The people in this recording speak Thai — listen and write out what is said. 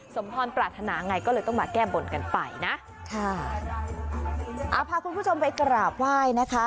สมพรปรารถนาไงก็เลยต้องมาแก้บนกันไปนะค่ะอ่าพาคุณผู้ชมไปกราบไหว้นะคะ